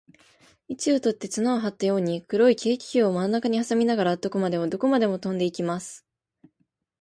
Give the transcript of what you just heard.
四台のヘリコプターは、ひし形の位置をとって、綱をはったように、黒い軽気球をまんなかにはさみながら、どこまでもどこまでもとんでいきます。